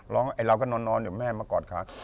เราก็นอนอยู่แม่มากอดขา